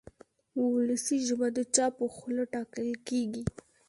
وولسي ژبه د چا په خوله ټاکل کېږي.